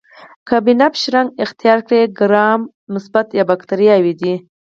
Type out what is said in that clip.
که بنفش رنګ اختیار کړي ګرام مثبت باکتریاوې دي.